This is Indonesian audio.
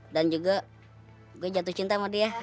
dan juga gue jatuh cinta sama dia